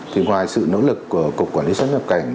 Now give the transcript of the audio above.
thì ngoài sự nỗ lực của cục quản lý xuất nhập cảnh